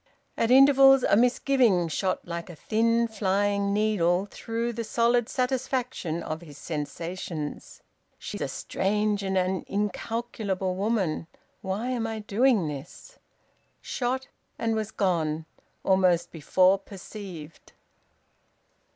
At intervals a misgiving shot like a thin flying needle through the solid satisfaction of his sensations: "She is a strange and an incalculable woman why am I doing this?" Shot, and was gone, almost before perceived!